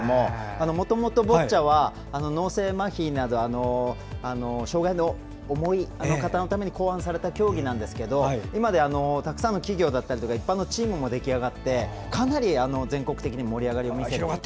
もともとボッチャは脳性まひなど障害の重い方のために考案された競技なんですけど今ではたくさんの企業だったり一般のチームも出来上がってかなり全国的にも盛り上がりを見せていて。